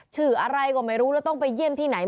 ชื่ออะไรก็ไม่รู้แล้วต้องไปเยี่ยมที่ไหน